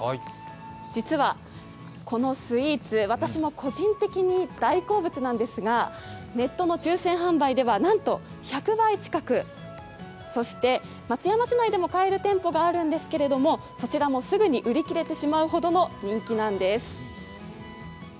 実は、このスイーツ、私も個人的に大好物なんですがネットの抽選販売ではなんと１００倍近く、そして、松山市内でも買える店舗があるんですけどもそちらもすぐに売り切れてしまうほどの人気なんです。